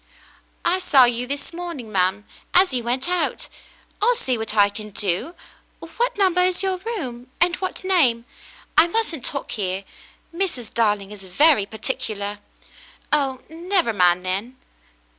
" I saw you this morning, ma'm, as you went out. I'll see what I can do. What number is your room ? and what name ? I mustn't talk here. Mrs. Darling is very particular." "Oh, never mind, then."